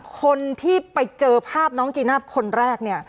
คนที่ไปเจอภาพน้องจีน่าคนแรกเนี่ย